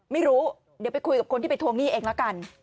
ไม่รู้เดี๋ยวไปคุยกับคนที่ไปทวงหนี้เองละกัน